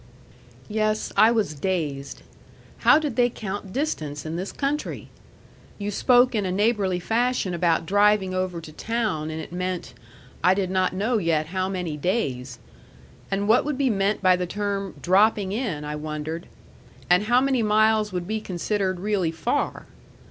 Yes, I was dazed. How did they count distance in this country? You spoke in a neighborly fashion about driving over to town, and it meant I did not know yet how many days. And what would be meant by the term "dropping in," I wondered. And how many miles would be considered really far?